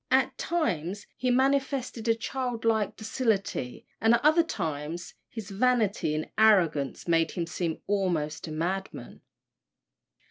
At times he manifested a childlike docility, and at other times his vanity and arrogance made him seem almost a madman.